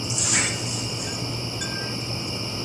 د طلاق په نتيجه کي د اولادونو برخليک څه کيږي؟